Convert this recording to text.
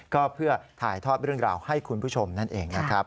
ก็เพื่อถ่ายทอดเรื่องราวให้คุณผู้ชมนั่นเองนะครับ